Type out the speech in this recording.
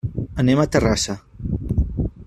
Anem a Terrassa.